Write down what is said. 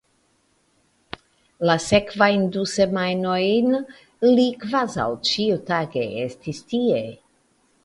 La sekvajn du semajnojn li kvazaŭ ĉiutage estis tie.